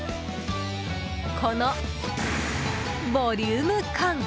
このボリューム感！